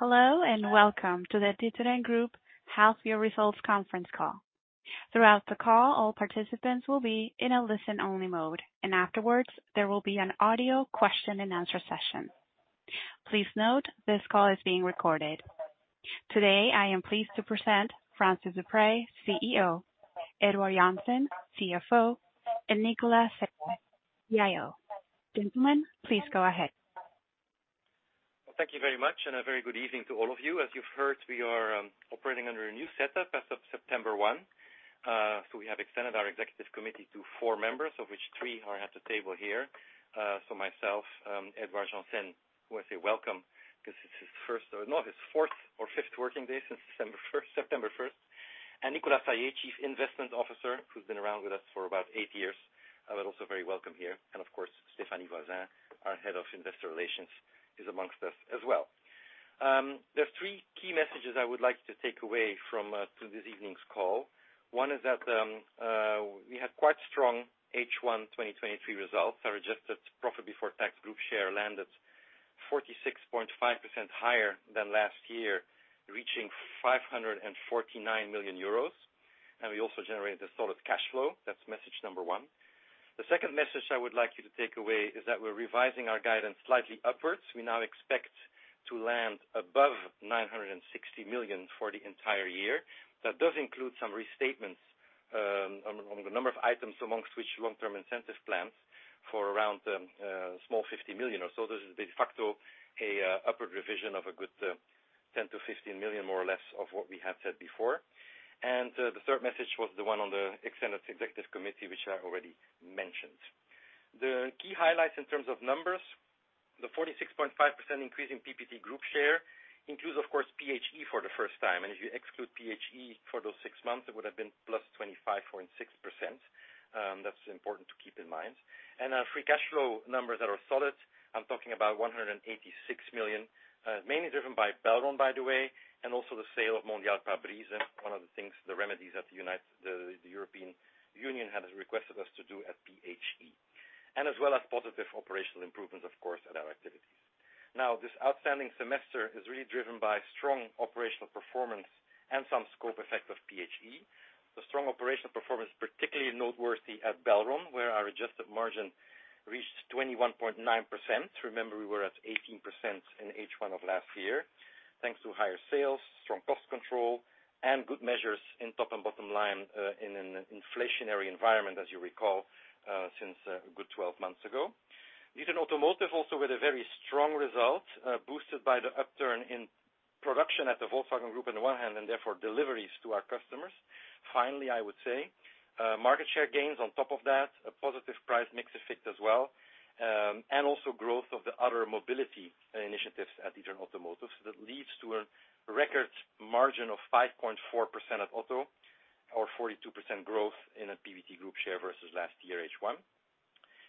Hello, and welcome to the D'Ieteren Group Half Year Results Conference Call. Throughout the call, all participants will be in a listen-only mode, and afterwards, there will be an audio question and answer session. Please note, this call is being recorded. Today, I am pleased to present Francis Deprez, CEO, Édouard Janssen, CFO, and Nicolas D'Ieteren. Gentlemen, please go ahead. Thank you very much, and a very good evening to all of you. As you've heard, we are operating under a new setup as of September 1st. So we have extended our executive committee to four members, of which three are at the table here. So myself, Édouard Janssen, who I say welcome, because this is his first—or no, his fourth or fifth working day since December 1st—September 1st. And Nicolas D'Ieteren, Chief Investment Officer, who's been around with us for about eight years, but also very welcome here. And of course, Stéphanie Voisin, our Head of Investor Relations, is amongst us as well. There are three key messages I would like to take away from this evening's call. One is that, we had quite strong H1 2023 results. Our adjusted profit before tax group share landed 46.5% higher than last year, reaching 549 million euros, and we also generated a solid cash flow. That's message number one. The second message I would like you to take away is that we're revising our guidance slightly upwards. We now expect to land above 960 million for the entire year. That does include some restatements on the number of items, among which long-term incentive plans, for around small 50 million or so. This is de facto a upward revision of a good 10 million-15 million, more or less, of what we had said before. And the third message was the one on the extended executive committee, which I already mentioned. The key highlights in terms of numbers, the 46.5% increase in PBT group share, includes, of course, PHE for the first time, and if you exclude PHE for those six months, it would have been +25.6%. That's important to keep in mind. Our free cash flow numbers are solid. I'm talking about 186 million, mainly driven by Belron, by the way, and also the sale of Mondial Pare-Brise, one of the things, the remedies that the European Union has requested us to do at PHE, as well as positive operational improvements, of course, at our activities. Now, this outstanding semester is really driven by strong operational performance and some scope effect of PHE. The strong operational performance, particularly noteworthy at Belron, where our adjusted margin reached 21.9%. Remember, we were at 18% in H1 of last year, thanks to higher sales, strong cost control, and good measures in top and bottom line, in an inflationary environment, as you recall, since a good 12 months ago. D'Ieteren Automotive also with a very strong result, boosted by the upturn in production at the Volkswagen Group on one hand, and therefore deliveries to our customers. Finally, I would say, market share gains on top of that, a positive price mix effect as well, and also growth of the other mobility initiatives at D'Ieteren Automotive. So that leads to a record margin of 5.4% at Auto, or 42% growth in a PBT group share versus last year, H1.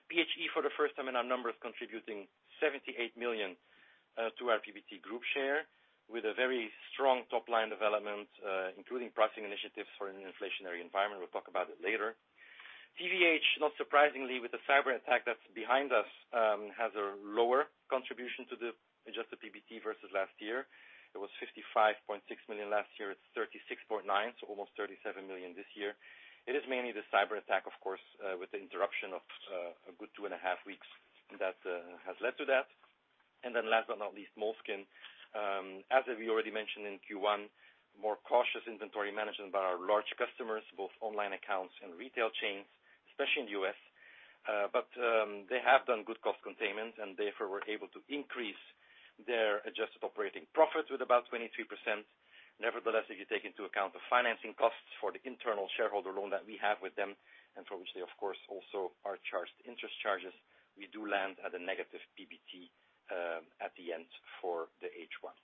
PHE, for the first time in our numbers, contributing 78 million to our PBT group share, with a very strong top-line development, including pricing initiatives for an inflationary environment. We'll talk about it later. TVH, not surprisingly, with the cyberattack that's behind us, has a lower contribution to the adjusted PBT versus last year. It was 55.6 million last year, it's 36.9 million, so almost 37 million this year. It is mainly the cyberattack, of course, with the interruption of a good 2.5 weeks that has led to that. And then last but not least, Moleskine. As we already mentioned in Q1, more cautious inventory management by our large customers, both online accounts and retail chains, especially in the U.S. But, they have done good cost containment, and therefore were able to increase their adjusted operating profits with about 23%. Nevertheless, if you take into account the financing costs for the internal shareholder loan that we have with them, and from which they, of course, also are charged interest charges, we do land at a negative PBT, at the end for the H1.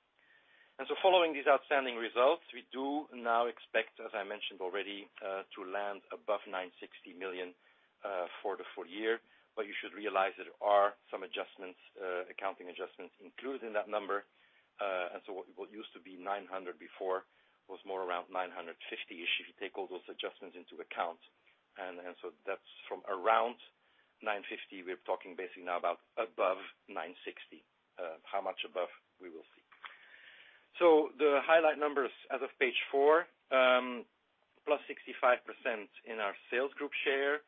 And so following these outstanding results, we do now expect, as I mentioned already, to land above 960 million, for the full year. But you should realize there are some adjustments, accounting adjustments included in that number. And so what, what used to be 900 million before was more around 950 million-ish, if you take all those adjustments into account. And, and so that's from around 950 million, we're talking basically now about above 960 million. How much above? We will see. So the highlight numbers as of page four, +65% in our sales group share.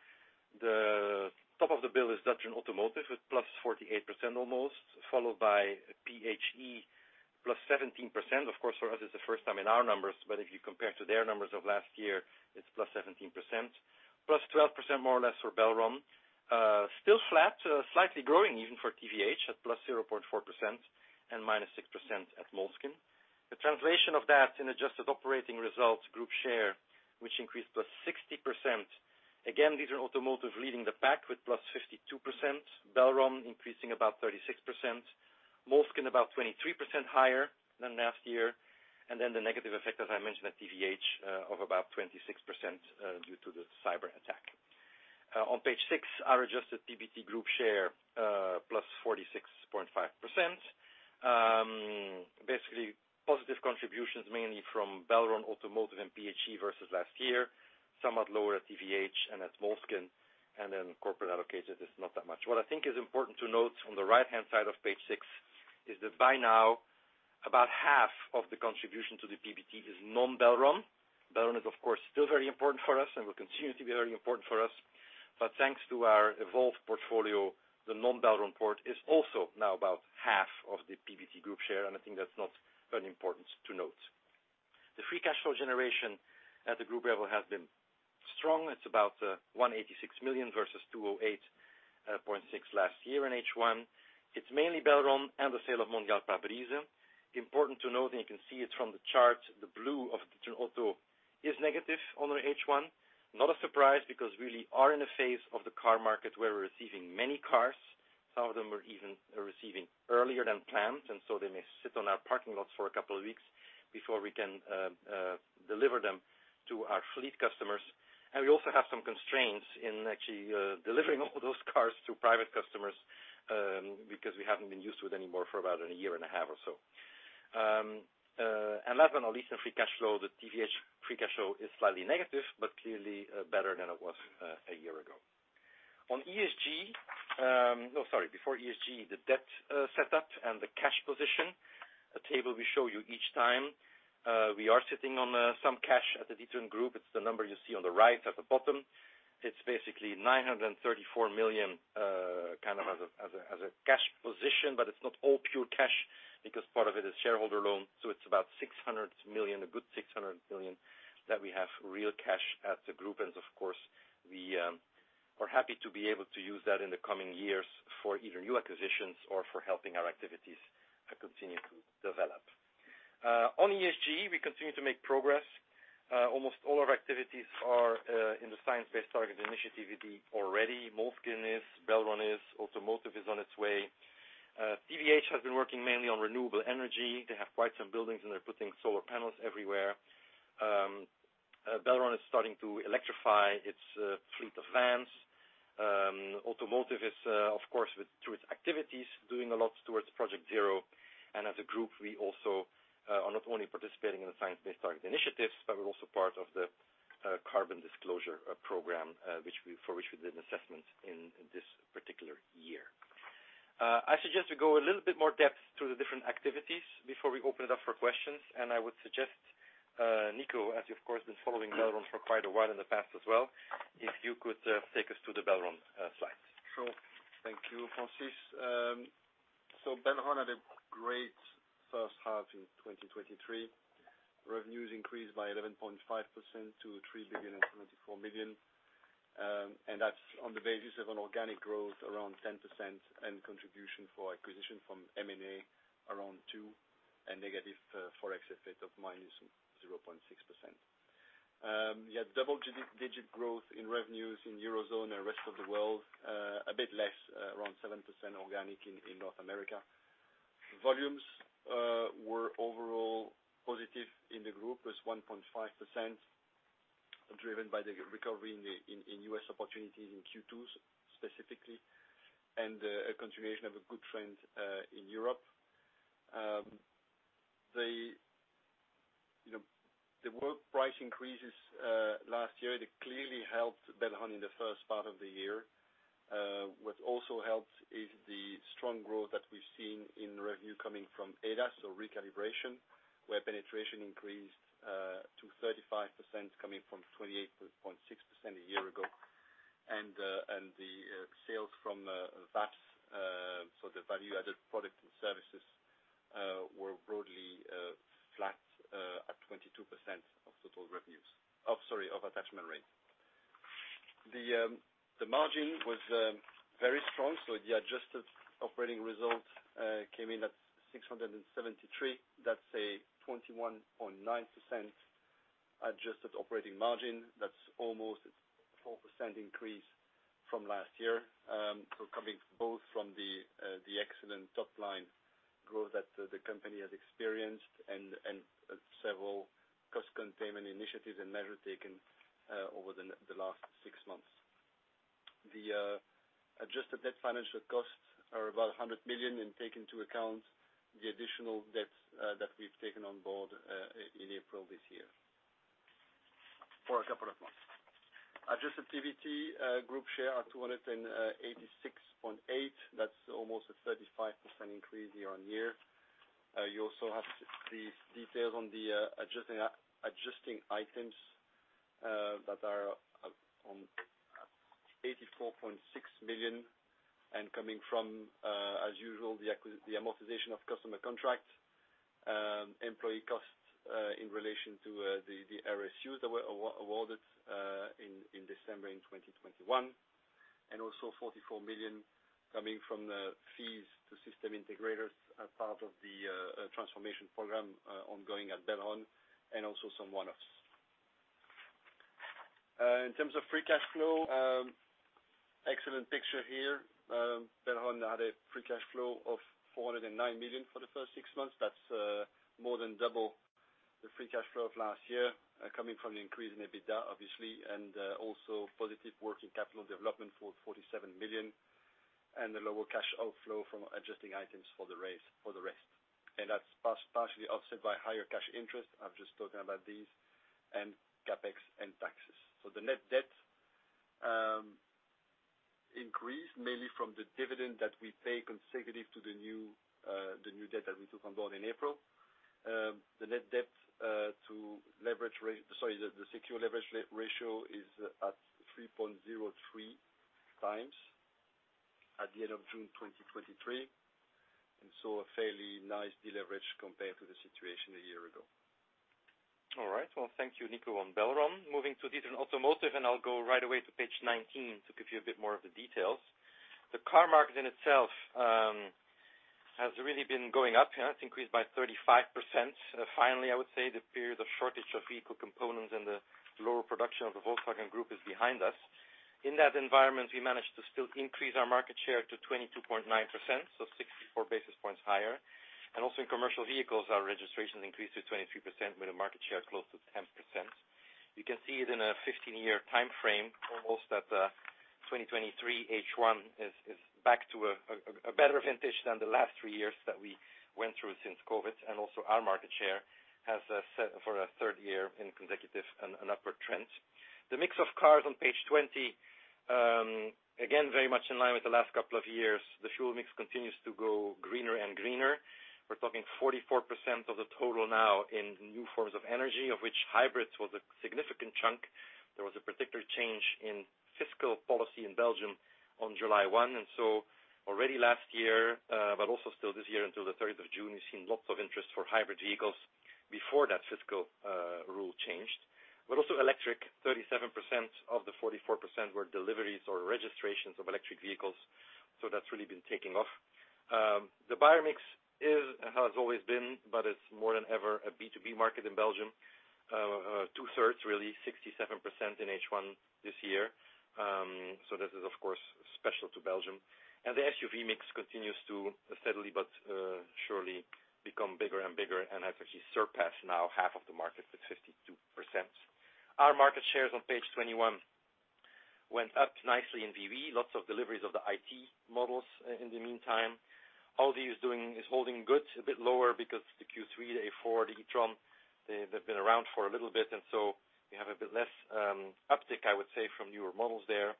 The top of the bill is D'Ieteren Automotive, with +48% almost, followed by PHE, +17%. Of course, for us, it's the first time in our numbers, but if you compare to their numbers of last year, it's +17%. +12%, more or less, for Belron. Still flat, slightly growing, even for TVH, at +0.4% and -6% at Moleskine. The translation of that in adjusted operating results group share, which increased +60%. Again, D'Ieteren Automotive leading the pack with +52%. Belron increasing about 36%. Moleskine about 23% higher than last year. Then the negative effect, as I mentioned, at TVH, of about 26%, due to the cyberattack. On page 6, our adjusted PBT group share, plus 46.5%. Basically, positive contributions mainly from Belron Automotive and PHE versus last year... somewhat lower at TVH and at Moleskine, and then corporate allocated is not much. What I think is important to note on the right-hand side of page 6, is that by now, about half of the contribution to the PBT is non-Belron. Belron is, of course, still very important for us and will continue to be very important for us. But thanks to our evolved portfolio, the non-Belron port is also now about half of the PBT group share, and I think that's not very important to note. The free cash flow generation at the group level has been strong. It's about 186 million versus 208.6 million last year in H1. It's mainly Belron and the sale of Mondial Pare-Brise. Important to note, and you can see it from the chart, the blue of the D'Ieteren Automotive is negative on H1. Not a surprise, because we really are in a phase of the car market where we're receiving many cars. Some of them are even receiving earlier than planned, and they may sit on our parking lots for a couple of weeks before we can deliver them to our fleet customers. We also have some constraints in actually delivering all those cars to private customers, because we haven't been used with anymore for about a year and a half or so. Last but not least, in free cash flow, the TVH free cash flow is slightly negative, but clearly better than it was a year ago. Sorry, before ESG, the debt setup and the cash position, a table we show you each time. We are sitting on some cash at the D'Ieteren Group. It's the number you see on the right at the bottom. It's basically 934 million kind of as a cash position, but it's not all pure cash because part of it is shareholder loan. So it's about 600 million, a good 600 million, that we have real cash at the group. Of course, we are happy to be able to use that in the coming years for either new acquisitions or for helping our activities continue to develop. On ESG, we continue to make progress. Almost all our activities are in the Science Based Targets initiative already. Moleskine is, Belron is, Automotive is on its way. TVH has been working mainly on renewable energy. They have quite some buildings, and they're putting solar panels everywhere. Belron is starting to electrify its fleet of vans. Automotive is, of course, through its activities, doing a lot towards Project ZERO. As a group, we also are not only participating in the Science Based Targets initiative, but we're also part of the Carbon Disclosure Program, for which we did an assessment in this particular year. I suggest we go a little bit more depth through the different activities before we open it up for questions. I would suggest, Nico, as you, of course, been following Belron for quite a while in the past as well, if you could take us through the Belron slides. Thank you, Francis. Belron had a great first half in 2023. Revenues increased by 11.5% to 3,024 million, and that's on the basis of an organic growth around 10% and contribution for acquisition from M&A around 2%, and negative forex effect of -0.6%. We had double-digit growth in revenues in Eurozone and rest of the world, a bit less, around 7% organic in North America. Volumes were overall positive in the group, was 1.5%, driven by the recovery in the U.S. opportunities in Q2, specifically, and a continuation of a good trend in Europe. You know, the work price increases last year, they clearly helped Belron in the first part of the year. What also helped is the strong growth that we've seen in revenue coming from ADAS, so recalibration, where penetration increased to 35%, coming from 28.6% a year ago. And the sales from VAPS, so the value-added products and services, were broadly flat at 22% of total revenues. Oh, sorry, of attachment rate. The margin was very strong, so the adjusted operating results came in at 673 million. That's a 21.9% adjusted operating margin. That's almost a 4% increase from last year. So coming both from the excellent top line growth that the company has experienced and several cost containment initiatives and measures taken over the last six months. The adjusted net financial costs are about 100 million, and take into account the additional debts that we've taken on board in April this year, for a couple of months. Adjusted EBT group share are 286.8 million. That's almost a 35% increase year-on-year. You also have the details on the adjusting items that are 84.6 million and coming from, as usual, the amortization of customer contracts, employee costs in relation to the RSUs that were awarded in December in 2021, and also 44 million coming from the fees to system integrators as part of the transformation program ongoing at Belron, and also some one-offs. In terms of free cash flow, excellent picture here. Belron had a free cash flow of 409 million for the first six months. That's more than double the free cash flow of last year, coming from the increase in EBITDA, obviously, and also positive working capital development for 47 million. ... and the lower cash outflow from adjusting items for the race, for the rest. And that's partially offset by higher cash interest. I've just spoken about these, and CapEx and taxes. So the net debt increased mainly from the dividend that we pay consecutive to the new, the new debt that we took on board in April. The net debt to leverage – sorry, the, the secured leverage ratio is at 3.03x at the end of June 2023, and so a fairly nice deleverage compared to the situation a year ago. All right. Well, thank you, Nico, on Belron. Moving to D'Ieteren Automotive, and I'll go right away to page 19 to give you a bit more of the details. The car market in itself has really been going up. It's increased by 35%. Finally, I would say, the period of shortage of vehicle components and the lower production of the Volkswagen Group is behind us. In that environment, we managed to still increase our market share to 22.9%, so 64 basis points higher. And also in commercial vehicles, our registrations increased to 23%, with a market share close to 10%. You can see it in a 15-year time frame, almost at 2023 H1 is back to a better vintage than the last three years that we went through since COVID. And also, our market share has set for a third year in consecutive, an upward trend. The mix of cars on page 20, again, very much in line with the last couple of years. The fuel mix continues to go greener and greener. We're talking 44% of the total now in new forms of energy, of which hybrids was a significant chunk. There was a particular change in fiscal policy in Belgium on July 1, and so already last year, but also still this year, until June 3, we've seen lots of interest for hybrid vehicles before that fiscal rule changed. But also electric, 37% of the 44% were deliveries or registrations of electric vehicles, so that's really been taking off. The buyer mix is and has always been, but it's more than ever, a B2B market in Belgium. Two-thirds, really 67% in H1 this year. So this is, of course, special to Belgium. And the SUV mix continues to steadily but surely become bigger and bigger, and has actually surpassed now half of the market with 52%. Our market shares on page 21 went up nicely in VW. Lots of deliveries of the ID. models in the meantime. Audi is holding good, a bit lower because the Q3, the A4, the e-tron, they, they've been around for a little bit, and so you have a bit less uptick, I would say, from newer models there.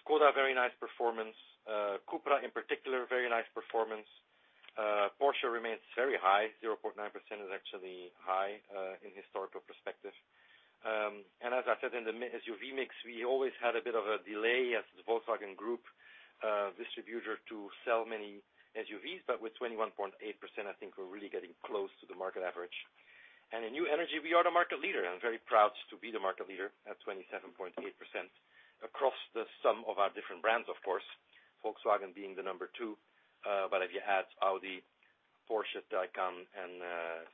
Škoda, very nice performance. Cupra, in particular, very nice performance. Porsche remains very high. 0.9% is actually high in historical perspective. And as I said, in the SUV mix, we always had a bit of a delay as the Volkswagen Group distributor to sell many SUVs, but with 21.8%, I think we're really getting close to the market average. In new energy, we are the market leader, and I'm very proud to be the market leader at 27.8% across the sum of our different brands, of course, Volkswagen being the number two. But if you add Audi, Porsche Taycan, and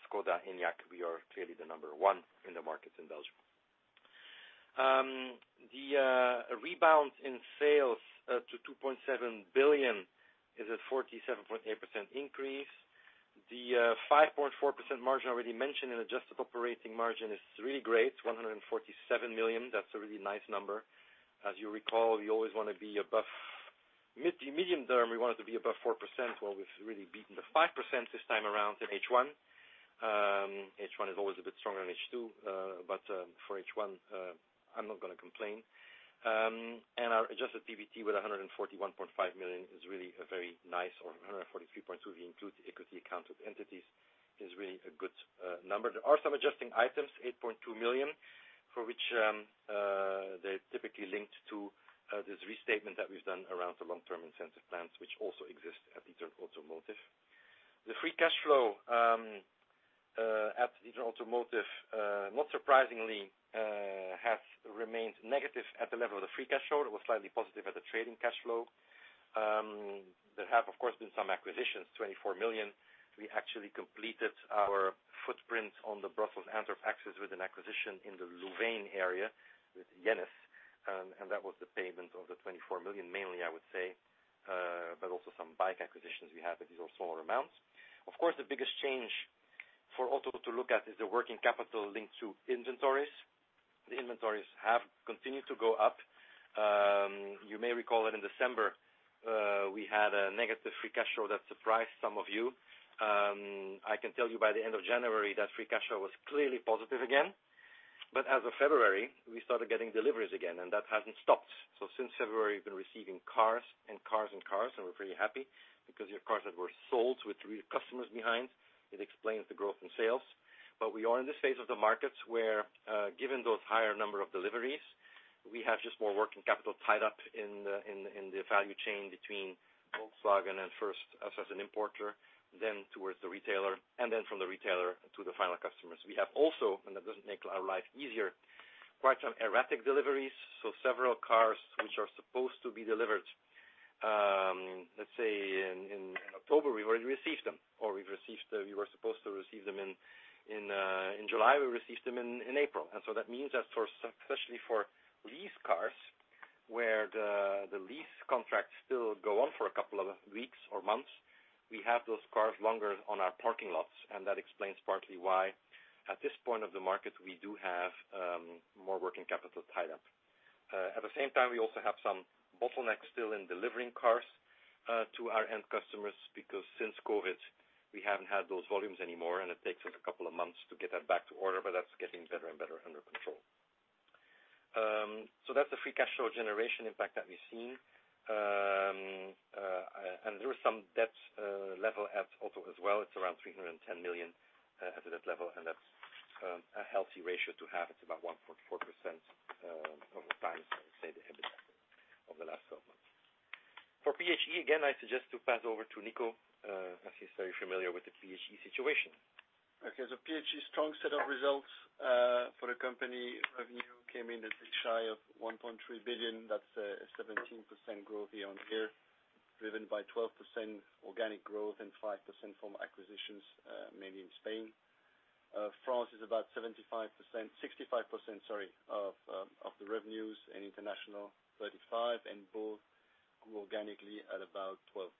Škoda Enyaq, we are clearly the number one in the markets in Belgium. The rebound in sales to 2.7 billion is a 47.8% increase. The 5.4% margin already mentioned in adjusted operating margin is really great, 147 million. That's a really nice number. As you recall, we always want to be above mid- to medium-term, we wanted to be above 4%. Well, we've really beaten the 5% this time around in H1. H1 is always a bit stronger than H2, but for H1, I'm not gonna complain. Our adjusted PBT with 141.5 million is really a very nice, or 143.2 million, if you include the equity accounted entities, is really a good number. There are some adjusting items, 8.2 million, for which they're typically linked to this restatement that we've done around the long-term incentive plans, which also exist at D'Ieteren Automotive. The free cash flow at D'Ieteren Automotive, not surprisingly, has remained negative at the level of the free cash flow. It was slightly positive at the trading cash flow. There have, of course, been some acquisitions, 24 million. We actually completed our footprint on the Brussels Antwerp axis with an acquisition in the Leuven area with Jennes, and that was the payment of 24 million, mainly, I would say, but also some bike acquisitions we have, but these are smaller amounts. Of course, the biggest change for Auto to look at is the working capital linked to inventories. The inventories have continued to go up. You may recall that in December, we had a negative free cash flow that surprised some of you. I can tell you by the end of January, that free cash flow was clearly positive again. But as of February, we started getting deliveries again, and that hasn't stopped. So since February, we've been receiving cars and cars and cars, and we're pretty happy because they are cars that were sold with real customers behind. It explains the growth in sales. But we are in the phase of the markets where, given those higher number of deliveries, we have just more working capital tied up in the value chain between Volkswagen and first us as an importer, then towards the retailer, and then from the retailer to the final customers. We have also, and that doesn't make our life easier, quite some erratic deliveries. So several cars which are supposed to be delivered, let's say in October, we've already received them, or we've received them. We were supposed to receive them in July, we received them in April. And so that means that for, especially for lease cars, where the lease contracts still go on for a couple of weeks or months-... We have those cars longer on our parking lots, and that explains partly why, at this point of the market, we do have more working capital tied up. At the same time, we also have some bottlenecks still in delivering cars to our end customers, because since COVID, we haven't had those volumes anymore, and it takes us a couple of months to get that back to order, but that's getting better and better under control. So that's the free cash flow generation impact that we've seen. And there was some debt level at Otto as well. It's around 310 million at that level, and that's a healthy ratio to have. It's about 1.4x the EBITDA over the last 12 months. For PHE, again, I suggest to pass over to Nico, as he's very familiar with the PHE situation. Okay, so PHE, strong set of results for the company. Revenue came in a bit shy of 1.3 billion. That's a 17% growth year-on-year, driven by 12% organic growth and 5% from acquisitions, mainly in Spain. France is about 75%--65%, sorry, of of the revenues, and international, 35%, and both grew organically at about 12%.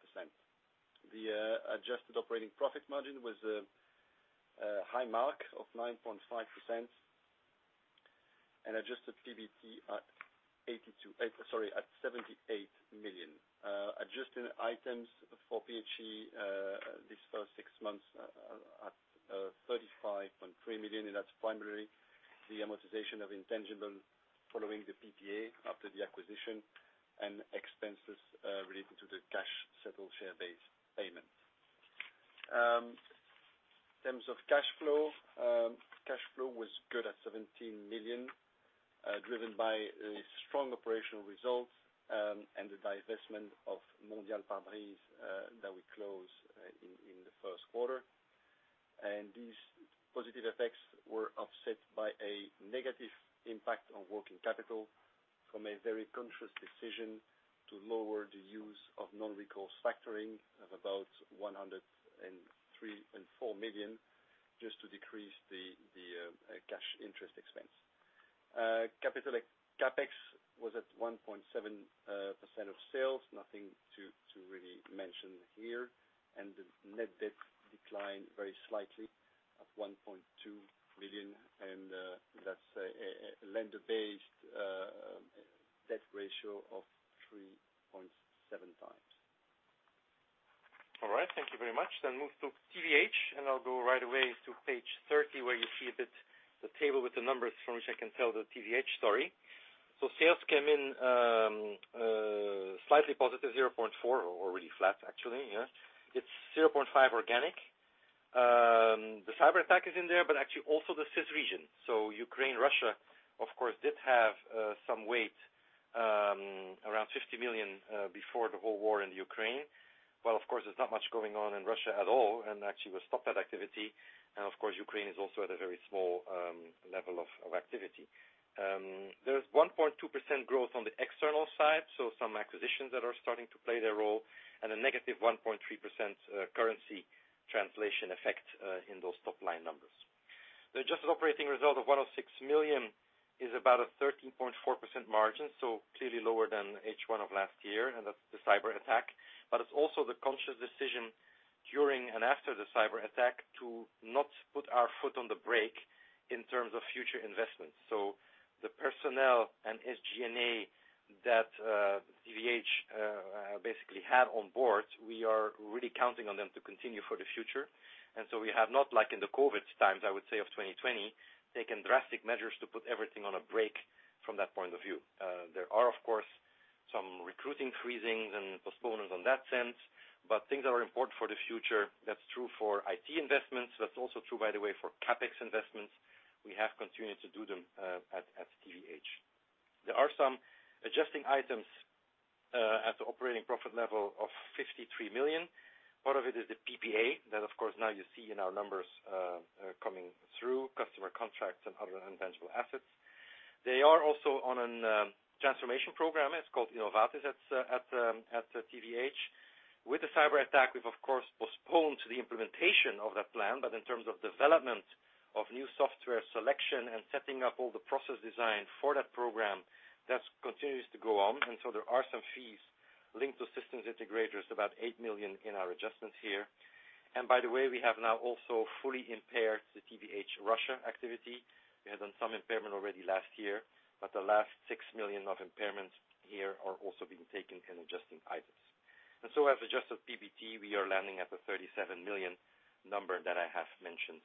The adjusted operating profit margin was a high mark of 9.5%, and adjusted PBT at 82 million, sorry, at 78 million. Adjusting items for PHE, this first six months are at 35.3 million, and that's primarily the amortization of intangible following the PPA after the acquisition and expenses related to the cash-settled share-based payment. In terms of cash flow, cash flow was good at 17 million, driven by a strong operational result, and the divestment of Mondial Pare-Brise, that we closed, in, in the first quarter. These positive effects were offset by a negative impact on working capital from a very conscious decision to lower the use of non-recourse factoring of about 103.4 million, just to decrease the, the, cash interest expense. Capital ex-- CapEx was at 1.7% of sales. Nothing to really mention here. The net debt declined very slightly at 1.2 billion, and, that's a lender-based debt ratio of 3.7x. All right. Thank you very much. Then move to TVH, and I'll go right away to page 30, where you see a bit the table with the numbers from which I can tell the TVH story. So sales came in, slightly positive, 0.4%, or really flat, actually, yeah. It's 0.5% organic. The cyber attack is in there, but actually also the CIS region. So Ukraine, Russia, of course, did have some weight, around 50 million, before the whole war in Ukraine. While, of course, there's not much going on in Russia at all, and actually we've stopped that activity, and of course, Ukraine is also at a very small level of activity. There's 1.2% growth on the external side, so some acquisitions that are starting to play their role, and a negative 1.3% currency translation effect in those top-line numbers. The adjusted operating result of 106 million is about a 13.4% margin, so clearly lower than H1 of last year, and that's the cyberattack, but it's also the conscious decision during and after the cyberattack to not put our foot on the brake in terms of future investments. So the personnel and SG&A that TVH basically had on board, we are really counting on them to continue for the future. And so we have not, like in the COVID times, I would say, of 2020, taken drastic measures to put everything on a break from that point of view. There are, of course, some recruiting freezings and postponements on that sense, but things that are important for the future, that's true for IT investments. That's also true, by the way, for CapEx investments. We have continued to do them at, at TVH. There are some adjusting items at the operating profit level of 53 million. Part of it is the PPA, that, of course, now you see in our numbers, coming through customer contracts and other intangible assets. They are also on an transformation program. It's called Innovatis at, at, at TVH. With the cyberattack, we've, of course, postponed the implementation of that plan, but in terms of development of new software selection and setting up all the process design for that program, that continues to go on, and so there are some fees linked to systems integrators, about 8 million in our adjustments here. By the way, we have now also fully impaired the TVH Russia activity. We had done some impairment already last year, but the last 6 million of impairments here are also being taken in adjusting items. So as adjusted PBT, we are landing at the 37 million number that I have mentioned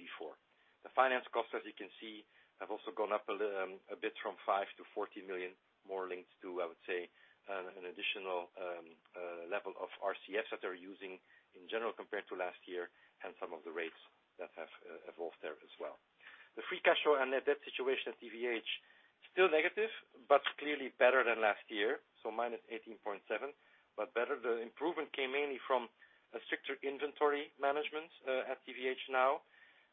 before. The finance costs, as you can see, have also gone up a bit from 5 million to 14 million, more linked to, I would say, an additional level of RCFs that they're using in general compared to last year and some of the rates that have evolved there as well. The free cash flow and net debt situation at TVH, still negative, but clearly better than last year, so -18.7 million, but better. The improvement came mainly from a stricter inventory management at TVH now.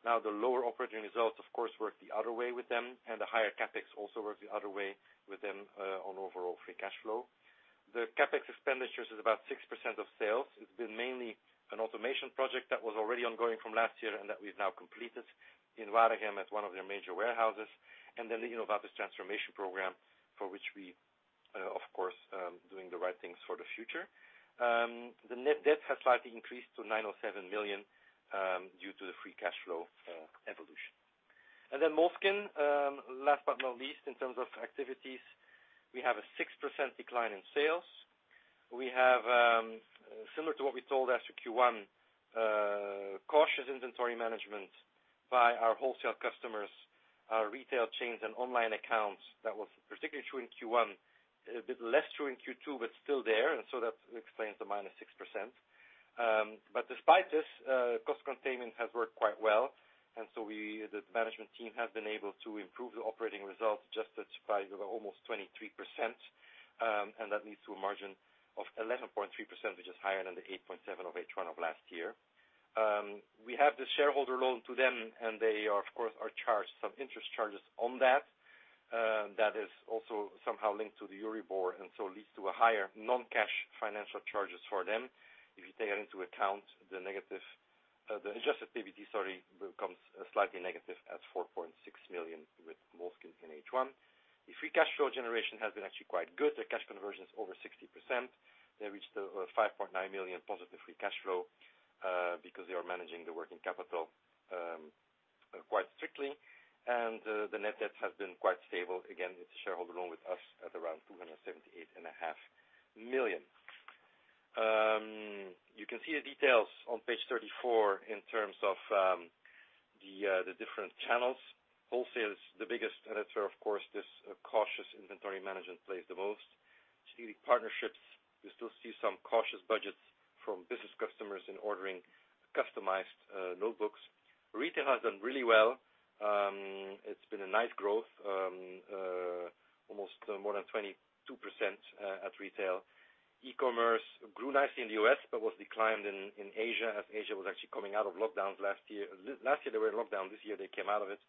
Now, the lower operating results, of course, work the other way with them, and the higher CapEx also works the other way with them on overall free cash flow. The CapEx expenditures is about 6% of sales. It's been mainly an automation project that was already ongoing from last year and that we've now completed in Waregem at one of their major warehouses, and then the Innovatis transformation program, for which of course doing the right things for the future. The net debt has slightly increased to 907 million due to the free cash flow evolution. And then Moleskine, last but not least, in terms of activities, we have a 6% decline in sales. We have similar to what we told after Q1 cautious inventory management by our wholesale customers, our retail chains, and online accounts. That was particularly true in Q1, a bit less true in Q2, but still there, and so that explains the -6%. But despite this, cost containment has worked quite well, and so the management team has been able to improve the operating results just at 5%, almost 23%. And that leads to a margin of 11.3%, which is higher than the 8.7% of H1 of last year. We have the shareholder loan to them, and they are, of course, charged some interest charges on that. That is also somehow linked to the EURIBOR, and so leads to a higher non-cash financial charges for them. If you take that into account, the negative, the adjusted PBT, sorry, becomes slightly negative at -4.6 million with Moleskine in H1. The free cash flow generation has been actually quite good. Their cash conversion is over 60%. They reached 5.9 million positive free cash flow because they are managing the working capital quite strictly, and the net debt has been quite stable. Again, it's a shareholder loan with us at around 278.5 million. You can see the details on page 34 in terms of the different channels. Wholesale is the biggest editor, of course, this cautious inventory management plays the most. See the partnerships, we still see some cautious budgets from business customers in ordering customized notebooks. Retail has done really well. It's been a nice growth almost more than 22% at retail. E-commerce grew nicely in the U.S., but declined in Asia, as Asia was actually coming out of lockdowns last year. Last year, they were in lockdown; this year they came out of it,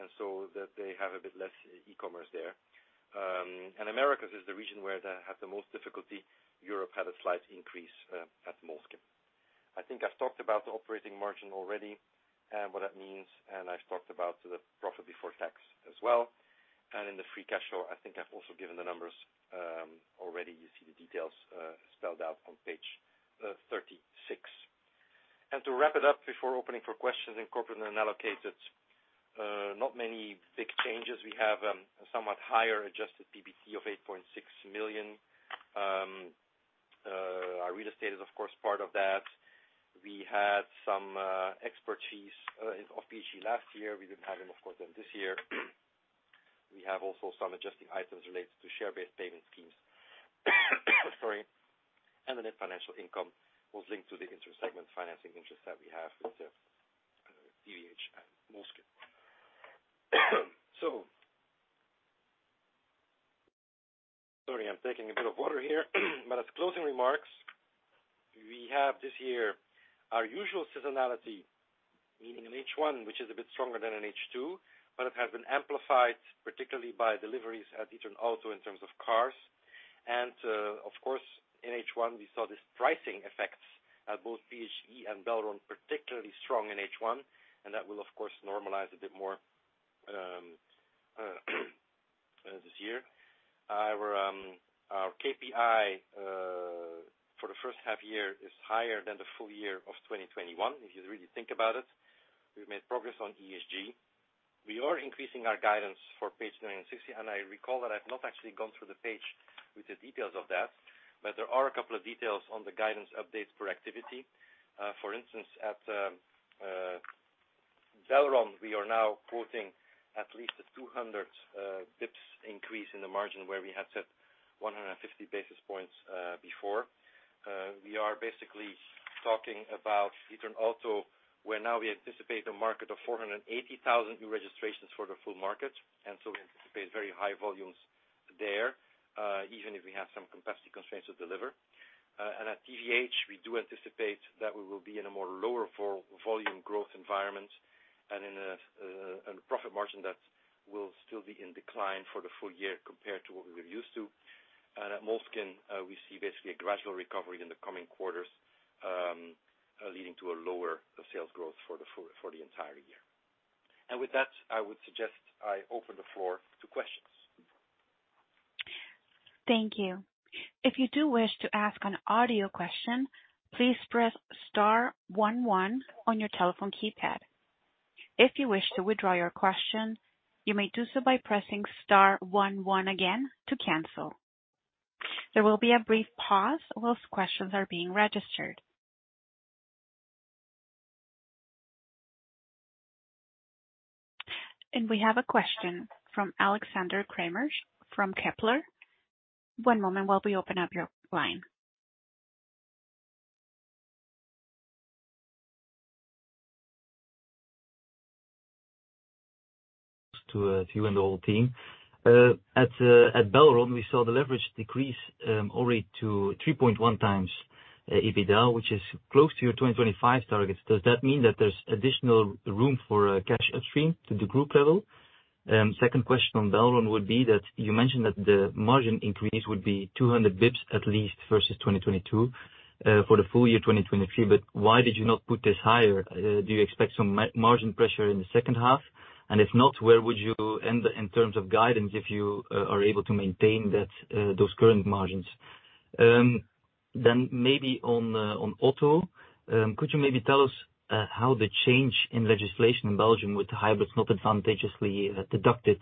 and so they have a bit less e-commerce there. Americas is the region where they have the most difficulty. Europe had a slight increase at Moleskine. I think I've talked about the operating margin already, and what that means, and I've talked about the profit before tax as well. In the free cash flow, I think I've also given the numbers already. You see the details spelled out on page 36. To wrap it up before opening for questions in corporate and allocated, not many big changes. We have a somewhat higher adjusted PBT of 8.6 million. Our real estate is, of course, part of that. We had some expertise costs of PHE last year. We didn't have them, of course, then this year. We have also some adjusting items related to share-based payment schemes. Sorry. And the net financial income was linked to the inter-segment, financing interest that we have with the TVH and Moleskine. Sorry, I'm taking a bit of water here. But as closing remarks, we have this year our usual seasonality, meaning in H1, which is a bit stronger than in H2, but it has been amplified, particularly by deliveries at D'Ieteren Automotive in terms of cars. And, of course, in H1, we saw this pricing effects at both PHE and Belron, particularly strong in H1, and that will of course normalize a bit more this year. However, our KPI for the first half year is higher than the full year of 2021. If you really think about it, we've made progress on ESG. We are increasing our guidance for 960 million and I recall that I've not actually gone through the page with the details of that, but there are a couple of details on the guidance updates for activity. For instance, at Belron, we are now quoting at least a 200 basis points increase in the margin where we had set 150 basis points before. We are basically talking about D'Ieteren Automotive, where now we anticipate a market of 480,000 new registrations for the full market, and so we anticipate very high volumes there, even if we have some capacity constraints to deliver. And at TVH, we do anticipate that we will be in a more lower volume growth environment and in a profit margin that will still be in decline for the full year compared to what we were used to. And at Moleskine, we see basically a gradual recovery in the coming quarters, leading to a lower sales growth for the entire year. And with that, I would suggest I open the floor to questions. Thank you. If you do wish to ask an audio question, please press star one one on your telephone keypad. If you wish to withdraw your question, you may do so by pressing star one one again to cancel. There will be a brief pause while questions are being registered. And we have a question from Alexander Craeymeersch, from Kepler Cheuvreux. One moment while we open up your line. To you and the whole team. At Belron, we saw the leverage decrease already to 3.1x EBITDA, which is close to your 2025 targets. Does that mean that there's additional room for cash upstream to the group level? Second question on Belron would be that you mentioned that the margin increase would be 200 basis points at least versus 2022 for the full year 2023, but why did you not put this higher? Do you expect some margin pressure in the second half? And if not, where would you end in terms of guidance if you are able to maintain that those current margins? Then maybe on, on auto, could you maybe tell us, how the change in legislation in Belgium with the hybrids not advantageously, deducted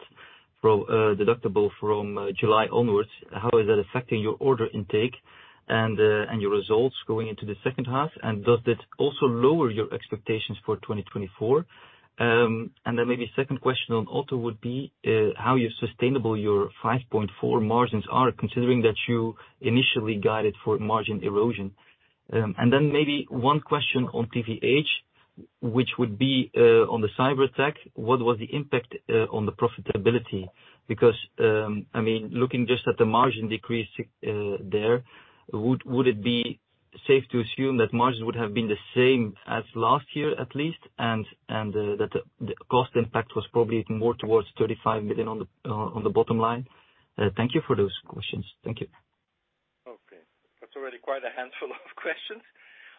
from, deductible from July onwards, how is that affecting your order intake and, and your results going into the second half? And does that also lower your expectations for 2024? And then maybe second question on auto would be, how you sustainable your 5.4% margins are, considering that you initially guided for margin erosion. And then maybe one question on TVH, which would be, on the cyberattack. What was the impact, on the profitability? Because, I mean, looking just at the margin decrease there, would it be safe to assume that margins would have been the same as last year, at least, and that the cost impact was probably more towards 35 million on the bottom line? Thank you for those questions. Thank you. Okay. That's already quite a handful of questions.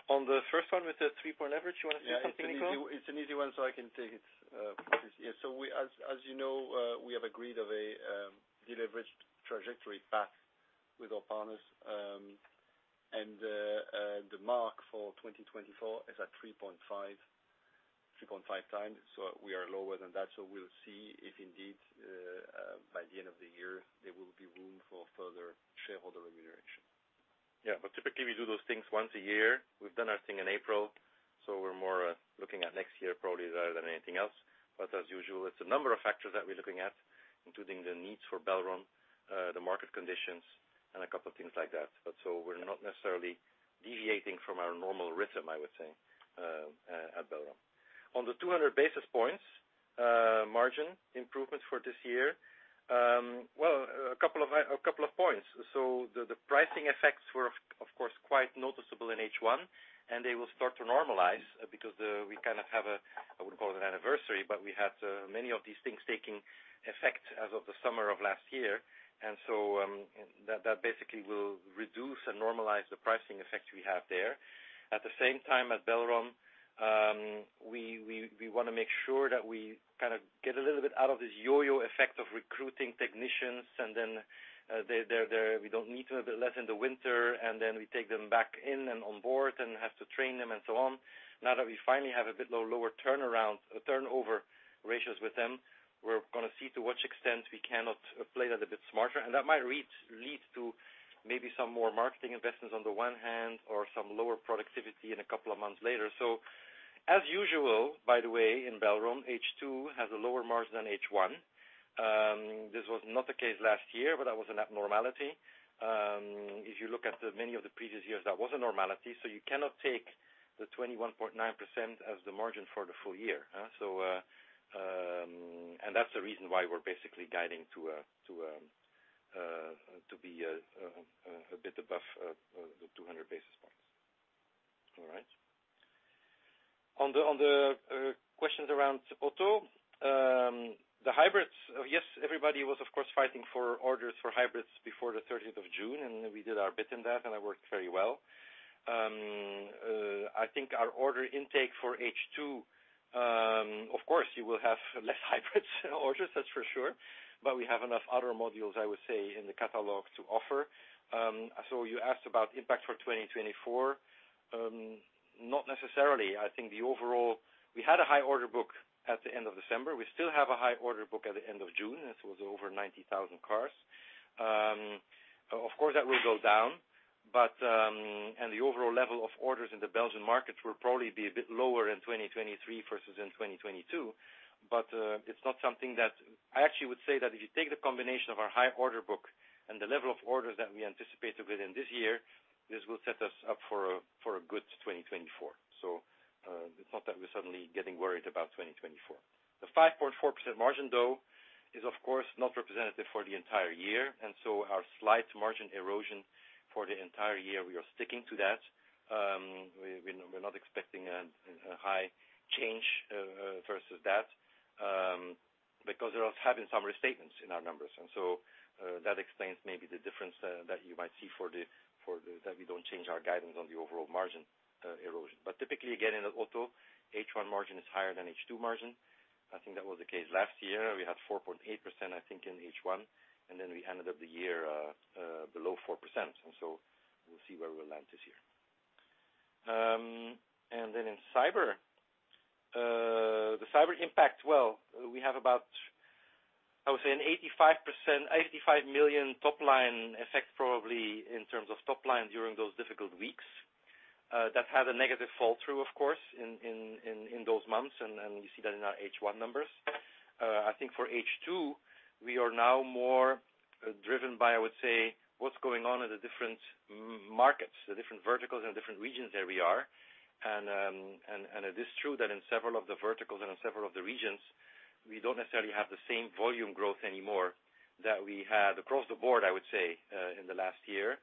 On the first one, with the three-point leverage, you want to say something, Nicolas? Yeah, it's an easy, it's an easy one, so I can take it for this. Yeah, so we, as, as you know, we have agreed of a deleveraged trajectory path with our partners, and the mark for 2024 is at 3.5, 3.5x. So we are lower than that, so we'll see if indeed, by the end of the year, there will be room for further shareholder remuneration. Yeah, but typically, we do those things once a year. We've done our thing in April, so we're more looking at next year probably rather than anything else. But as usual, it's a number of factors that we're looking at, including the needs for Belron, the market conditions, and a couple things like that. But so we're not necessarily deviating from our normal rhythm, I would say, at Belron. On the 200 basis points margin improvements for this year, well, a couple of, a couple of points. So the, the pricing effects were, of course, quite noticeable in H1, and they will start to normalize because, we kind of have a, I would call it an anniversary, but we had, many of these things taking effect as of the summer of last year. And so, that basically will reduce and normalize the pricing effect we have there. At the same time, at Belron, we wanna make sure that we kind of get a little bit out of this yo-yo effect of recruiting technicians, and then, they're we don't need them a bit less in the winter, and then we take them back in and on board and have to train them and so on. Now that we finally have a bit lower turnaround, turnover ratios with them, we're gonna see to what extent we cannot play that a bit smarter, and that might lead to maybe some more marketing investments on the one hand or some lower productivity in a couple of months later. So as usual, by the way, in Belron, H2 has a lower margin than H1. This was not the case last year, but that was an abnormality. If you look at the many of the previous years, that was a normality, so you cannot take the 21.9% as the margin for the full year, so... And that's the reason why we're basically guiding to, to, to be, a bit above, the 200 basis points. All right. On the, on the, questions around auto, the hybrids, yes, everybody was, of course, fighting for orders for hybrids before the thirteenth of June, and we did our bit in that, and it worked very well. I think our order intake for H2, of course, you will have less hybrids orders, that's for sure, but we have enough other modules, I would say, in the catalog to offer. So you asked about impact for 2024. Not necessarily. I think the overall—we had a high order book at the end of December. We still have a high order book at the end of June. This was over 90,000 cars. Of course, that will go down, but, and the overall level of orders in the Belgian market will probably be a bit lower in 2023 versus in 2022. But, it's not something that—I actually would say that if you take the combination of our high order book and the level of orders that we anticipate to get in this year, this will set us up for a, for a good 2024. So, it's not that we're suddenly getting worried about 2024. The 5.4% margin, though, is, of course, not representative for the entire year, and so our slight margin erosion for the entire year, we are sticking to that. We're not expecting a high change versus that, because we're also having some restatements in our numbers. And so, that explains maybe the difference that you might see—that we don't change our guidance on the overall margin erosion. But typically, again, in the auto, H1 margin is higher than H2 margin. I think that was the case last year. We had 4.8%, I think, in H1, and then we ended up the year below 4%, and so we'll see where we'll land this year. And then in cyber, the cyber impact, well, we have about, I would say, an 85%, 85 million top-line effect, probably, in terms of top line during those difficult weeks. That had a negative flow-through, of course, in those months, and you see that in our H1 numbers. I think for H2, we are now more driven by, I would say, what's going on in the different markets, the different verticals and the different regions that we are. And it is true that in several of the verticals and in several of the regions, we don't necessarily have the same volume growth anymore that we had across the board, I would say, in the last year.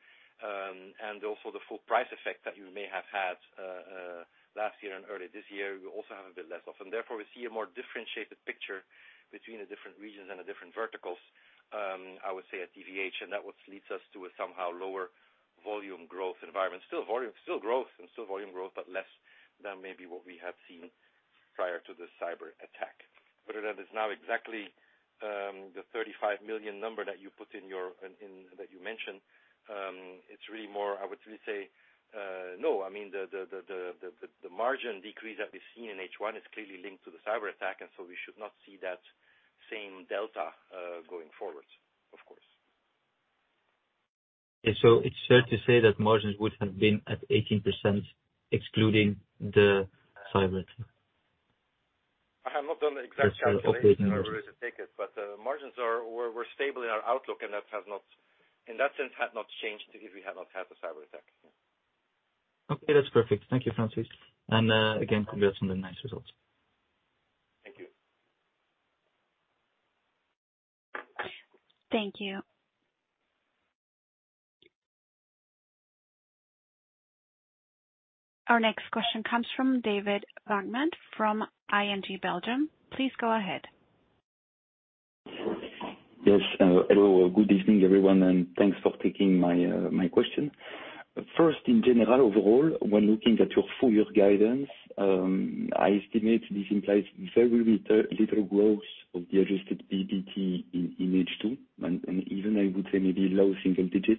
And also the full price effect that you may have had last year and early this year, we also have a bit less of. And therefore, we see a more differentiated picture between the different regions and the different verticals, I would say at TVH, and that what leads us to a somehow lower volume growth environment. Still volume still growth and still volume growth, but less than maybe what we have seen prior to the cyber attack. But that is now exactly the 35 million number that you put in your, in, that you mentioned. It's really more I would really say, no, I mean, the margin decrease that we've seen in H1 is clearly linked to the cyber attack, and so we should not see that same delta going forward, of course. It's fair to say that margins would have been at 18%, excluding the cyber attack? I have not done the exact calculation- Operating. But, margins are. We're stable in our outlook, and that has not, in that sense, had not changed if we had not had the cyber attack. Okay, that's perfect. Thank you, Francis. And, again, congrats on the nice results. Thank you. Thank you. Our next question comes from David Vagman from ING Belgium. Please go ahead. Yes, hello, good evening, everyone, and thanks for taking my, my question. First, in general, overall, when looking at your full year guidance, I estimate this implies very little, little growth of the adjusted PBT in, in H2, and, and even I would say maybe low single digit,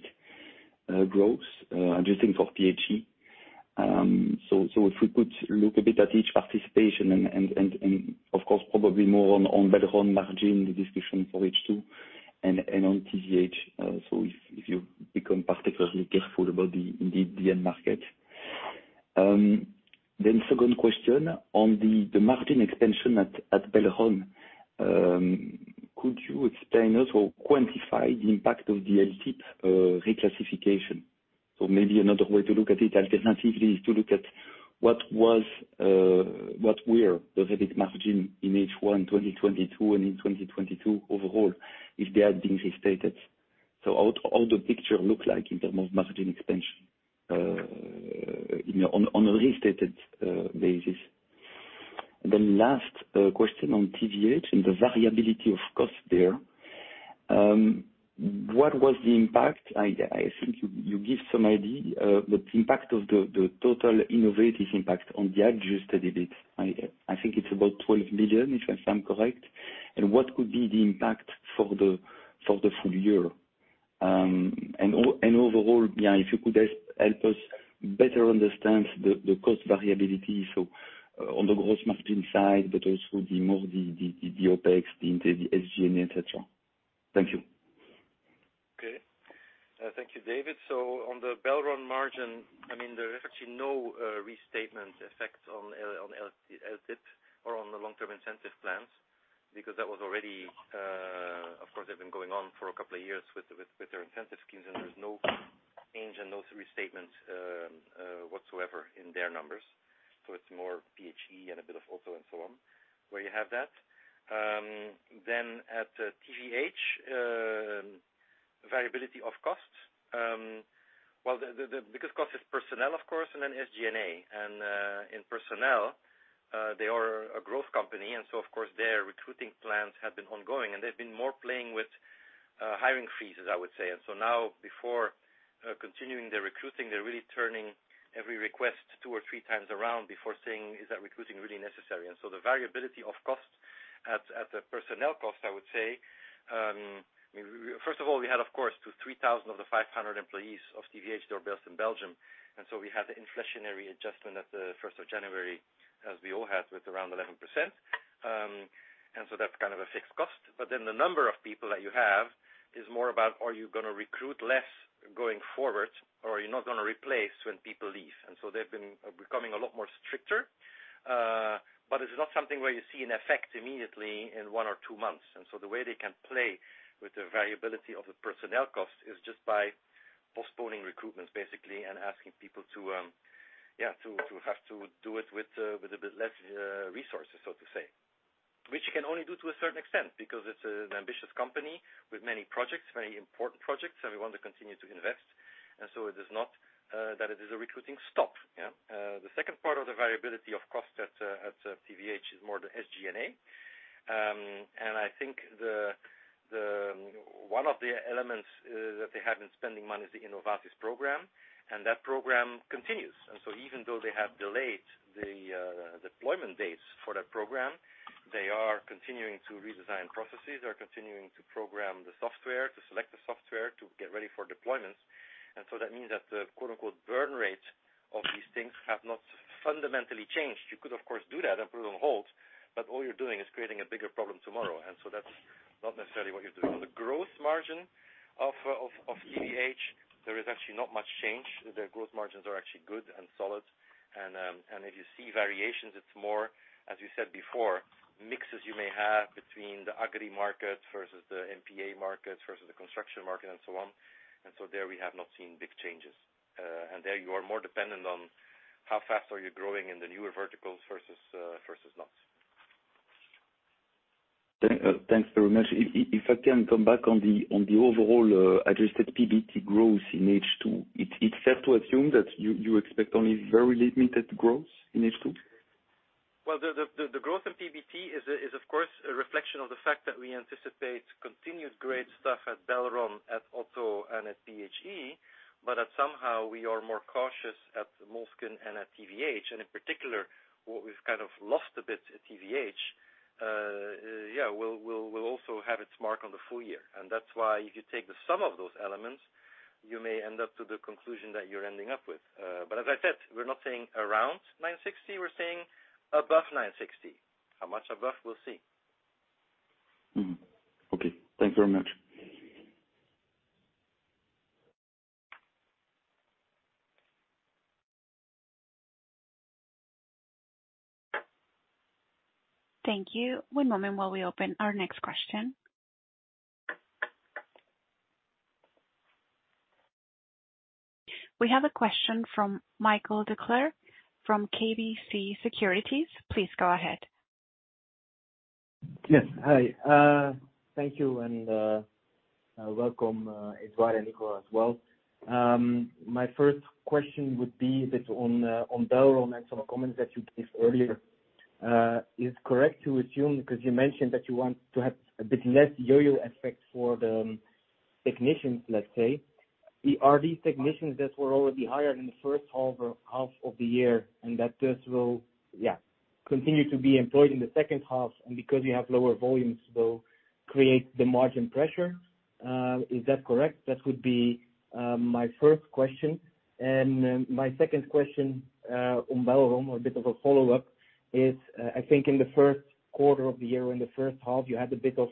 growth, adjusting for PHE. So, so if we could look a bit at each participation and, and, and, and of course, probably more on, on Belron margin, the discussion for H2 and, and on TVH. So if, if you become particularly careful about the, the end market. Then second question on the, the margin expansion at, at Belron. Could you explain us or quantify the impact of the LTIP, reclassification? So maybe another way to look at it alternatively, is to look at what was, what were the EBIT margin in H1 in 2022 and in 2022 overall, if they are being restated. So how, how the picture look like in terms of margin expansion, you know, on, on a restated, basis? Then last, question on TVH and the variability of cost there. What was the impact? I, I think you, you give some idea, but the impact of the, the total Innovatis impact on the adjusted EBIT, I, I think it's about 12 million, if I'm correct. And what could be the impact for the, for the full year? Overall, yeah, if you could help us better understand the cost variability, so on the gross margin side, but also the OpEx, the SG&A, et cetera. Thank you. Okay. Thank you, David. So on the Belron margin, I mean, there is actually no restatement effect on LTIP or on the long-term incentive plans, because that was already, of course, they've been going on for a couple of years with their incentive schemes, and there's no change and no restatement whatsoever in their numbers. So it's more PHE and a bit of Otto, and so on, where you have that. Then at TVH, variability of costs. Well, the biggest cost is personnel, of course, and then SG&A. And in personnel, they are a growth company, and so of course, their recruiting plans have been ongoing, and they've been more playing with hiring freezes, I would say. Now, before continuing the recruiting, they're really turning every request 2 or 3 times around before saying: Is that recruiting really necessary? And so the variability of costs at the personnel cost, I would say, first of all, we had, of course, 2,000-3,000 of the 500 employees of TVH, they're based in Belgium. And so we had the inflationary adjustment at the first of January, as we all had, with around 11%. And so that's kind of a fixed cost. But then the number of people that you have is more about, are you gonna recruit less going forward, or are you not gonna replace when people leave? And so they've been becoming a lot more stricter. But it's not something where you see an effect immediately in 1 or 2 months. And so the way they can play with the variability of the personnel cost is just by postponing recruitments, basically, and asking people to have to do it with a bit less resources, so to say. Which you can only do to a certain extent, because it's an ambitious company with many projects, very important projects, and we want to continue to invest. And so it is not that it is a recruiting stop. The second part of the variability of cost at TVH is more the SG&A. And I think one of the elements that they have been spending money is the Innovatis program, and that program continues. And so even though they have delayed the deployment dates for that program, they are continuing to redesign processes, they're continuing to program the software, to select the software, to get ready for deployments. And so that means that the quote-unquote, "burn rate" of these things have not fundamentally changed. You could, of course, do that and put it on hold, but all you're doing is creating a bigger problem tomorrow. And so that's not necessarily what you're doing. On the growth margin of TVH, there is actually not much change. Their growth margins are actually good and solid. And if you see variations, it's more, as you said before, mixes you may have between the agri markets versus the MPA markets versus the construction market and so on. And so there, we have not seen big changes. There you are more dependent on how fast are you growing in the newer verticals versus versus not. Thanks very much. If I can come back on the overall adjusted PBT growth in H2, it's fair to assume that you expect only very limited growth in H2? Well, the growth in PBT is, is of course, a reflection of the fact that we anticipate continued great stuff at Belron, at Auto, and at PHE, but that somehow we are more cautious at Moleskine and at TVH. In particular, what we've kind of lost a bit at TVH will also have its mark on the full year. That's why if you take the sum of those elements, you may end up to the conclusion that you're ending up with. As I said, we're not saying around 960 million, we're saying above 960 million. How much above? We'll see. Mm-hmm. Okay, thanks very much. Thank you. One moment while we open our next question. We have a question from Michiel Declercq from KBC Securities. Please go ahead. Yes, hi. Thank you, and welcome, Édouard and Nicolas as well. My first question would be a bit on Belron and some comments that you gave earlier. Is it correct to assume, because you mentioned that you want to have a bit less yo-yo effect for the technicians, let's say. Are these technicians that were already hired in the first half of the year, and that this will continue to be employed in the second half, and because you have lower volumes, will create the margin pressure? Is that correct? That would be my first question. And my second question on Belron, a bit of a follow-up, is, I think in the first quarter of the year, in the first half, you had a bit of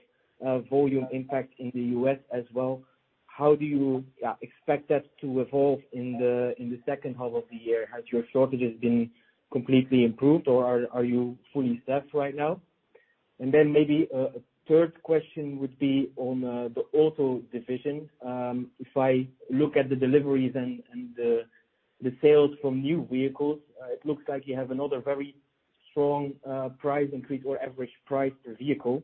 volume impact in the U.S. as well. How do you expect that to evolve in the second half of the year? Has your shortages been completely improved, or are you fully staffed right now? And then maybe a third question would be on the auto division. If I look at the deliveries and the sales from new vehicles, it looks like you have another very strong price increase or average price per vehicle.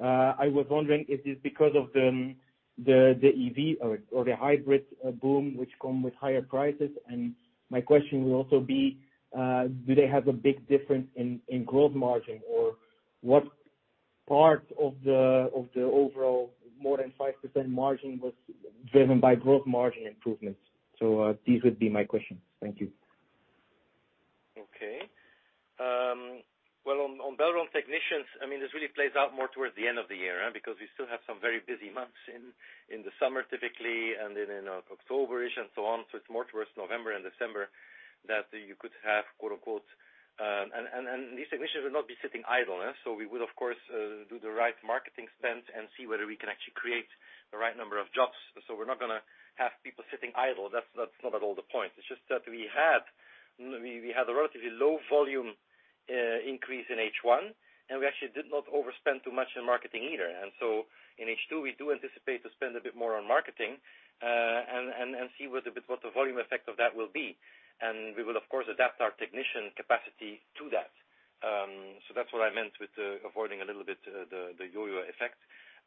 I was wondering if it's because of the EV or the hybrid boom, which come with higher prices. And my question will also be, do they have a big difference in growth margin? Or what part of the overall more than 5% margin was driven by growth margin improvements? So, these would be my questions. Thank you. Okay. Well, on Belron technicians, I mean, this really plays out more towards the end of the year, because we still have some very busy months in the summer, typically, and then in October-ish, and so on. So it's more towards November and December that you could have quote, unquote... And these technicians would not be sitting idle, yeah? So we would, of course, do the right marketing spend and see whether we can actually create the right number of jobs. So we're not gonna have people sitting idle. That's not at all the point. It's just that we had a relatively low volume increase in H1, and we actually did not overspend too much in marketing either. And so in H2, we do anticipate to spend a bit more on marketing, and see what the volume effect of that will be. And we will, of course, adapt our technician capacity to that. So that's what I meant with avoiding a little bit the yo-yo effect.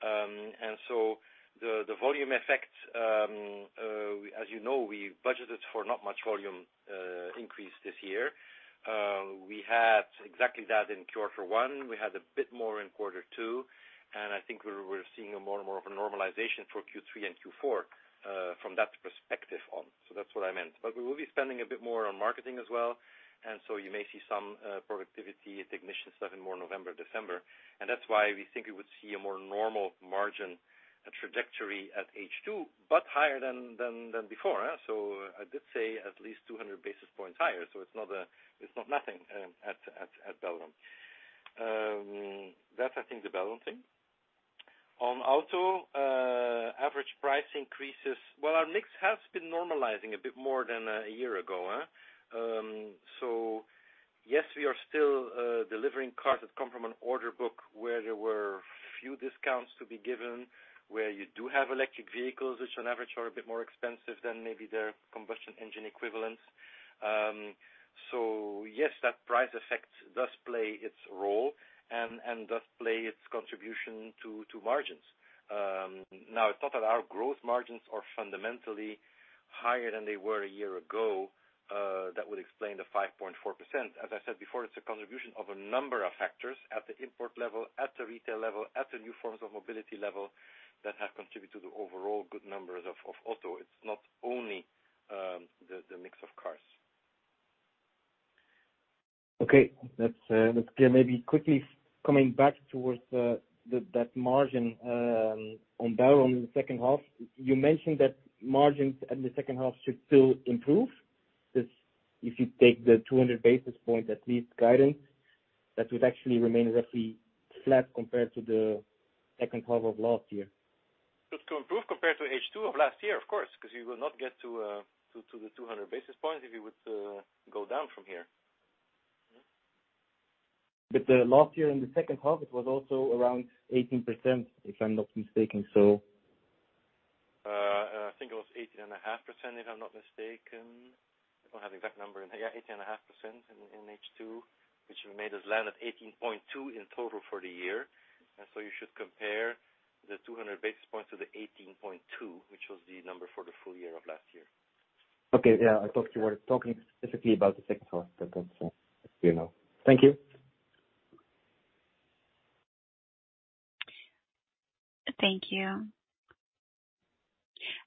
And so the volume effect, as you know, we budgeted for not much volume increase this year. We had exactly that in quarter one. We had a bit more in quarter two, and I think we're seeing a more and more of a normalization for Q3 and Q4, from that perspective on. So that's what I meant. But we will be spending a bit more on marketing as well, and so you may see some productivity technician stuff in more November, December. That's why we think we would see a more normal margin, a trajectory at H2, but higher than before. So I did say at least 200 basis points higher, so it's not nothing at Belron. That's, I think, the Belron thing. On auto, average price increases. Well, our mix has been normalizing a bit more than a year ago. So yes, we are still delivering cars that come from an order book where there were few discounts to be given, where you do have electric vehicles, which on average are a bit more expensive than maybe their combustion engine equivalents. So yes, that price effect does play its role and does play its contribution to margins. Now, it's not that our gross margins are fundamentally higher than they were a year ago, that would explain the 5.4%. As I said before, it's a contribution of a number of factors at the import level, at the retail level, at the new forms of mobility level, that have contributed to the overall good numbers of auto. It's not only the mix of cars. Okay. Let's maybe quickly coming back towards the that margin on Belron in the second half. You mentioned that margins in the second half should still improve? Because if you take the 200 basis points, at least guidance, that would actually remain roughly flat compared to the second half of last year. It could improve compared to H2 of last year, of course, because you will not get to the 200 basis points if you would go down from here. But, last year in the second half, it was also around 18%, if I'm not mistaken, so. I think it was 18.5%, if I'm not mistaken. I don't have the exact number. Yeah, 18.5% in H2, which made us land at 18.2 in total for the year. And so you should compare the 200 basis points to the 18.2%, which was the number for the full year of last year. Okay. Yeah, I thought you were talking specifically about the second half, but that's, you know. Thank you. ... Thank you.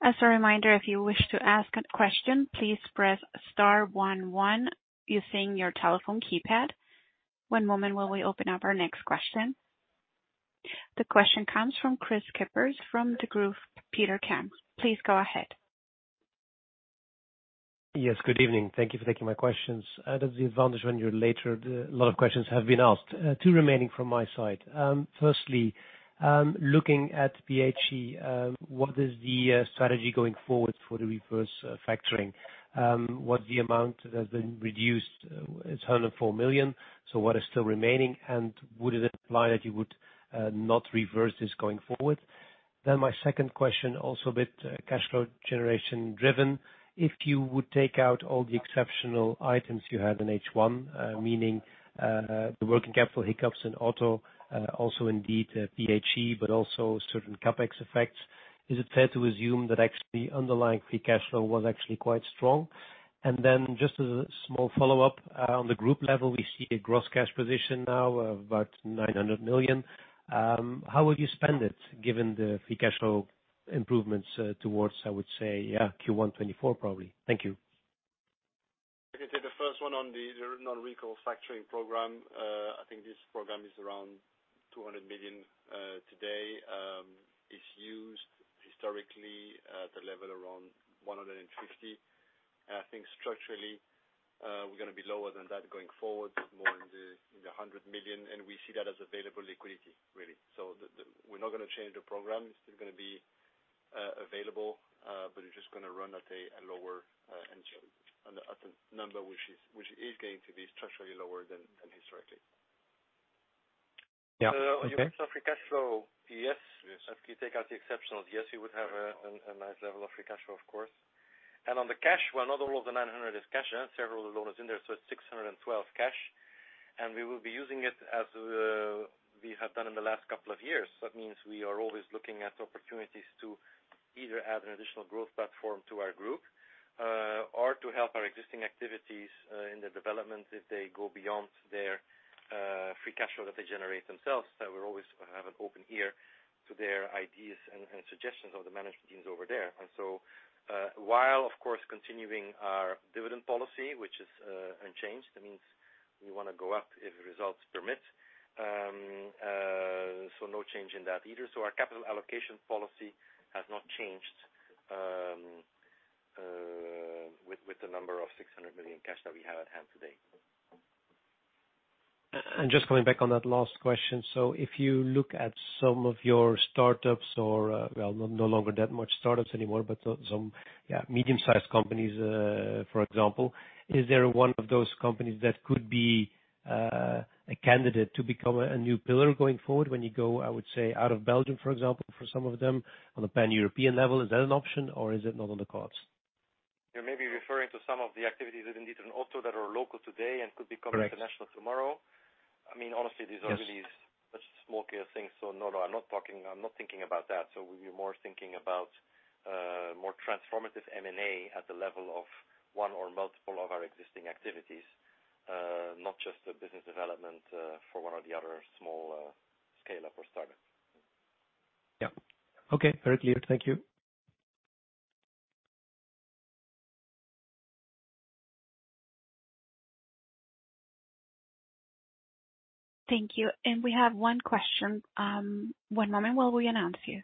As a reminder, if you wish to ask a question, please press star one one using your telephone keypad. One moment while we open up our next question. The question comes from Kris Kippers from Degroof Petercam. Please go ahead. Yes, good evening. Thank you for taking my questions. Out of the advantage, when you're later, a lot of questions have been asked. Two remaining from my side. Firstly, looking at PHE, what is the strategy going forward for the reverse factoring? What the amount that has been reduced is 104 million, so what is still remaining? And would it imply that you would not reverse this going forward? My second question, also a bit cash flow generation driven. If you would take out all the exceptional items you had in H1, meaning the working capital hiccups in Auto, also indeed, PHE, but also certain CapEx effects, is it fair to assume that actually underlying free cash flow was actually quite strong? Just as a small follow-up, on the group level, we see a gross cash position now of about 900 million. How will you spend it, given the free cash flow improvements, towards, I would say, yeah, Q1 2024, probably? Thank you. I can take the first one on the non-recourse factoring program. I think this program is around 200 million today. It's used historically at a level around 150 million. I think structurally, we're gonna be lower than that going forward, more in the 100 million, and we see that as available liquidity, really. So we're not gonna change the program. It's still gonna be available, but it's just gonna run at a lower end at the number which is going to be structurally lower than historically. Yeah. Okay. Free cash flow. Yes. Yes. If you take out the exceptional, yes, you would have a nice level of free cash flow, of course. And on the cash, well, not all of the 900 million is cash. Shareholder loan is in there, so it's 612 million cash, and we will be using it as we have done in the last couple of years. That means we are always looking at opportunities to either add an additional growth platform to our group, or to help our existing activities in the development if they go beyond their free cash flow that they generate themselves. So we always have an open ear to their ideas and suggestions of the management teams over there. And so, while of course, continuing our dividend policy, which is unchanged, that means we wanna go up if results permit. No change in that either. Our capital allocation policy has not changed with the number of 600 million cash that we have at hand today. Just coming back on that last question. If you look at some of your startups or, well, no longer that much startups anymore, but some, yeah, medium-sized companies, for example, is there one of those companies that could be, a candidate to become a, a new pillar going forward when you go, I would say, out of Belgium, for example, for some of them, on a pan-European level? Is that an option or is it not on the cards? You may be referring to some of the activities that indeed in Auto that are local today and could be coming- Correct. international tomorrow. I mean, honestly- Yes... these are really much smokier things, so no, no, I'm not talking, I'm not thinking about that. So we'll be more thinking about, more transformative M&A at the level of one or multiple of our existing activities, not just the business development, for one or the other small, scale-up or startup. Yeah. Okay, very clear. Thank you. Thank you. We have one question. One moment while we announce you.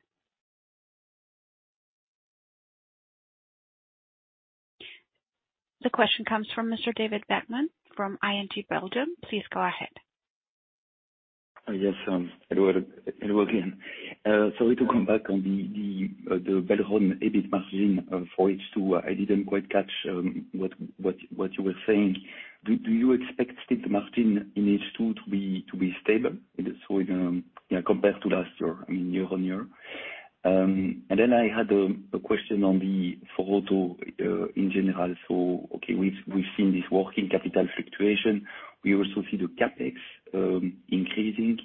The question comes from Mr. David Vagman from ING Belgium. Please go ahead. Yes, hello. Hello again. Sorry to come back on the Belron EBIT margin for H2. I didn't quite catch what you were saying. Do you expect the margin in H2 to be stable, compared to last year, I mean, year-on-year? I had a question on the Auto in general. Okay, we've seen this working capital fluctuation. We also see the CapEx increasing.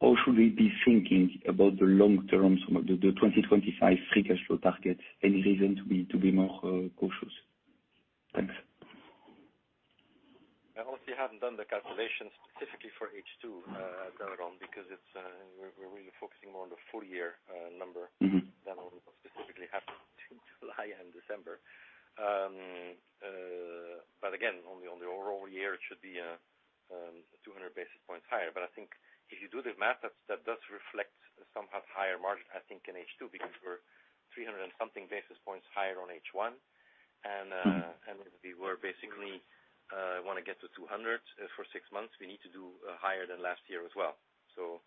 How should we be thinking about the long term, some of the 2025 free cash flow targets? Any reason to be more cautious? Thanks. I honestly haven't done the calculations specifically for H2 at the moment, because it's, we're really focusing more on the full year number- Mm-hmm... than on what specifically happened between July and December. But again, on the overall year, it should be 200 basis points higher. But I think if you do the math, that does reflect somewhat higher margin, I think, in H2, because we're 300-something basis points higher on H1. Mm-hmm. We were basically wanna get to 200. For six months, we need to do higher than last year as well. So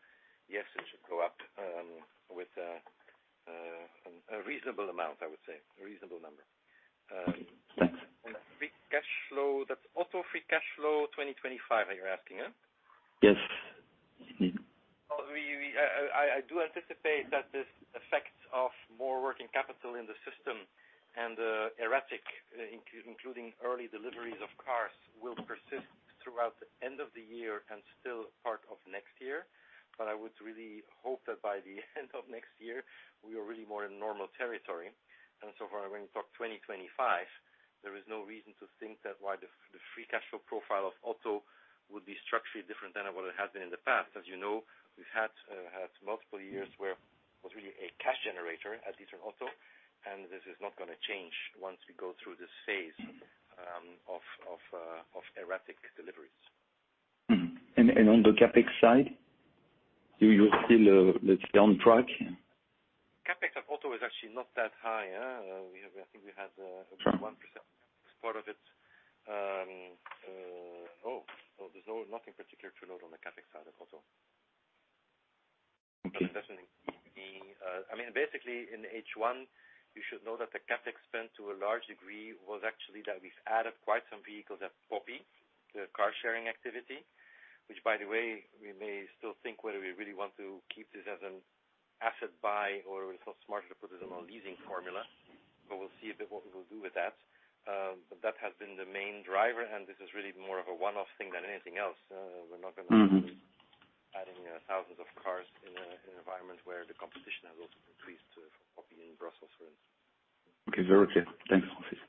yes, it should go up with a reasonable amount, I would say, a reasonable number. Thanks. The free cash flow, that's Auto free cash flow 2025 that you're asking, huh? Yes. Mm-hmm. Well, we, we... I, I, I do anticipate that this effect of more working capital in the system and, erratic, including, including early deliveries of cars, will persist throughout the end of the year and still part of next year. I would really hope that by the end of next year, we are really more in normal territory. So far, when you talk 2025, there is no reason to think that why the, the free cash flow profile of Auto would be structurally different than what it has been in the past. As you know, we've had, had multiple years where it was really a cash generator at D'Ieteren Automotive, and this is not gonna change once we go through this phase- Mm-hmm... of erratic deliveries. Mm-hmm. And, and on the CapEx side, you, you're still, let's say, on track? CapEx at Auto is actually not that high, we have, I think we had. Sure... 1% as part of it. So there's no nothing particular to note on the CapEx side of Auto. Okay. It doesn't need be. I mean, basically, in H1, you should know that the CapEx spend, to a large degree, was actually that we've added quite some vehicles at Poppy, the car-sharing activity. Which, by the way, we may still think whether we really want to keep this as an asset buy or it's not smarter to put it on a leasing formula. But we'll see a bit what we will do with that. But that has been the main driver, and this is really more of a one-off thing than anything else. We're not gonna- Mm-hmm... adding thousands of cars in an environment where the competition has also increased for Poppy in Brussels, for instance. Okay. Very clear. Thanks a lot.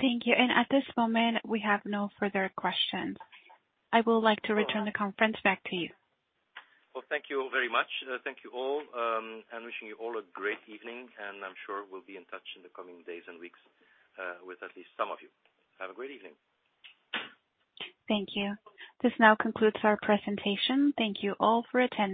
Thank you. At this moment, we have no further questions. I will like to return the conference back to you. Well, thank you all very much. Thank you all. And wishing you all a great evening, and I'm sure we'll be in touch in the coming days and weeks, with at least some of you. Have a great evening. Thank you. This now concludes our presentation. Thank you all for attending.